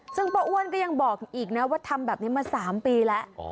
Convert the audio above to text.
ซึ่งป้าอ้วนก็ยังบอกอีกนะว่าทำแบบนี้มา๓ปีแล้ว